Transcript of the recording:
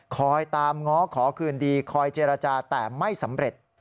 คอยตามง้อขอคืนดีคอยเจรจาแต่ไม่สำเร็จ